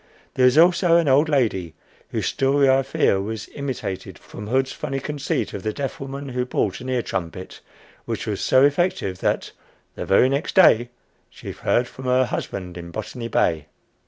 There was also an old lady, whose story I fear was imitated from Hood's funny conceit of the deaf woman who bought an ear trumpet, which was so effective that "The very next day She heard from her husband in Botany Bay!"